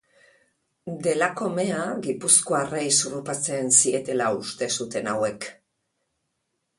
Delako mea gipuzkoarrei zurrupatzen zietela uste zuten hauek.